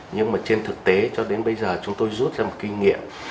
nhưng mà trên thực tế cho đến bây giờ chúng tôi rút ra một kinh nghiệm